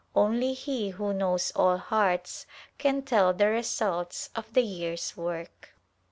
Only He who knows all hearts can tell the results of the year's work.